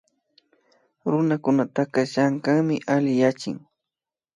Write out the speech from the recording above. Runakunataka llankanmi alli yachik